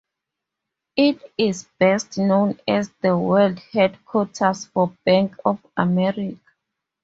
It is best known as the world headquarters for Bank of America.